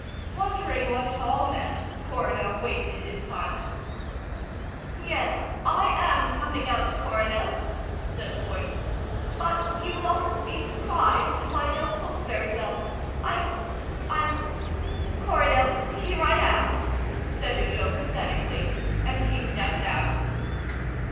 Wondering what it all meant, Coronel waited in silence. "Yes, I am coming out, Coronel," said the voice. "But you mustn't be surprised if I don't look very well. I'm I'm Coronel, here I am," said Udo pathetically and he stepped out.